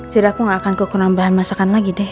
jadi aku gak akan kekurang bahan masakan lagi deh